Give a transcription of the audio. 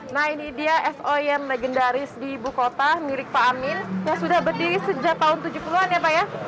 nah ini dia es oyen legendaris di ibu kota mirip pak amin yang sudah berdiri sejak tahun tujuh puluh an ya pak ya